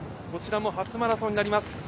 こちらも初マラソンになります